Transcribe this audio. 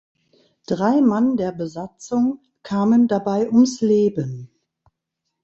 Drei Mann der Besatzung kamen dabei ums Leben.